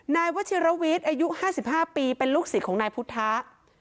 นายวัชิรวิทย์อายุ๕๕ปีเป็นลูกศิษย์ของนายพุทธะ